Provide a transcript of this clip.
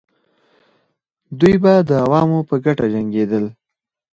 دوی به د عوامو په ګټه جنګېدل.